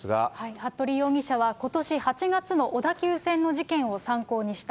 服部容疑者はことし８月の小田急線の事件を参考にした。